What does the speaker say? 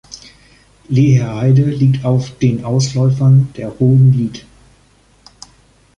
Leherheide liegt auf den Ausläufern der Hohen Lieth.